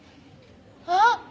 あっ！